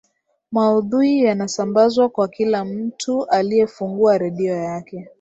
maudhui yanasambazwa kwa kila mtu aliyefungua redio yake